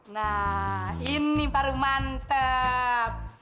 nah ini baru mantep